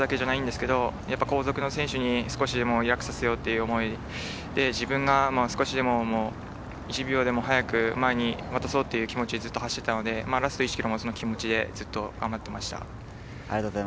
ラスト１ｋｍじゃないんですけど、後続の選手に少しでもリラックスさせようという思いで自分が少しでも１秒でも速く前に渡そうっていう気持ちでずっと走っていたのでラスト１ｋｍもずっとその気持ちで頑張っていました。